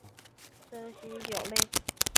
真蜥脚类。